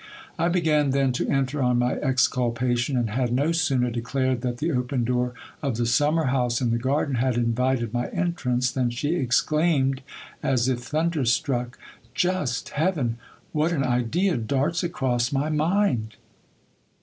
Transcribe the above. I began then to enter on my exculpation, and had no sooner declared that the open door of the summer house in the garden had invited my entrance, than she exclaimed as if thunderstruck — Just heaven ! what an idea darts across my mind